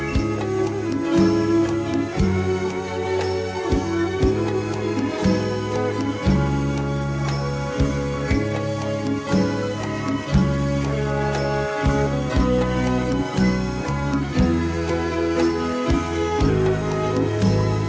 โน้นต้องก็ต้องกลับฟ้าขึ้นร้านก็ต้องกลับ